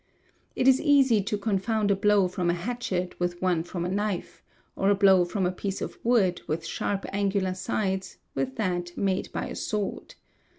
It is easy to confound a blow from a hatchet with one from a knife, or a blow from a piece of wood with sharp angular sides with that made by a sword.